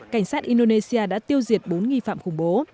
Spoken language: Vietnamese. cảnh sát indonesia đã tiêu diệt bốn nghi phạm khủng bố